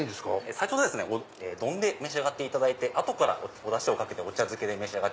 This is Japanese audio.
最初は丼で召し上がっていただいて後からおダシをかけてお茶漬けで召し上がる。